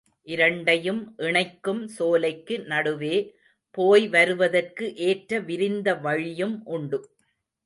இரண்டையும் இணைக்கும் சோலைக்கு நடுவே போய் வருவதற்கு ஏற்ற விரிந்த வழியும் உண்டு.